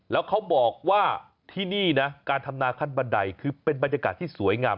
แล้วเขาบอกว่าที่นี่นะการทำนาขั้นบันไดคือเป็นบรรยากาศที่สวยงาม